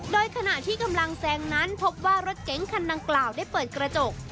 โดยขณะที่กำลังแซงนั้นพบว่ารถเก๋งคันดังกล่าวได้เปิดกระจก